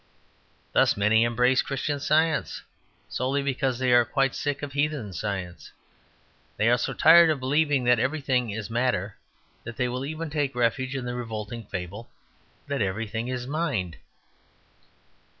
Thus, many embrace Christian Science solely because they are quite sick of heathen science; they are so tired of believing that everything is matter that they will even take refuge in the revolting fable that everything is mind.